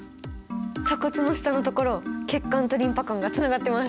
鎖骨の下の所血管とリンパ管がつながってます！